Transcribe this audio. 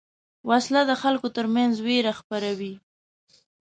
وسله د خلکو تر منځ وېره خپروي